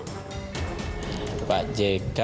pak jk didorong untuk tidak diketua tim karena